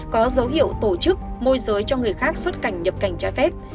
có dấu hiệu tổ chức môi giới cho người khác xuất cảnh nhập cảnh trái phép